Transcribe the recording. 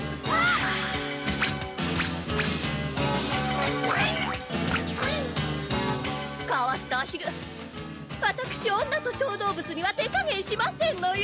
プイ変わったアヒルわたくし女と小動物には手加減しませんのよ